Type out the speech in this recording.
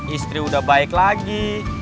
istri udah baik lagi